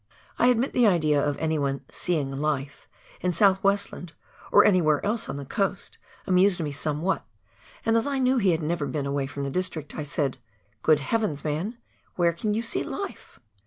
I admit the idea of anyone " seeing life " in South West land, or anywhere else on the coast, amused me somewhat, and, as I knew he had never been away from the district, I said, " Good heavens, man ! where can you see life